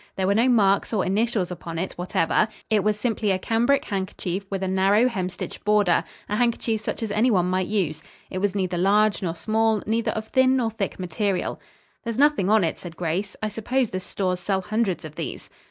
There were no marks or initials upon it whatever; it was simply a cambric handkerchief with a narrow hemstitched border, a handkerchief such as anyone might use. It was neither large nor small, neither of thin nor thick material. "There's nothing on it," said Grace. "I suppose the stores sell hundreds of these."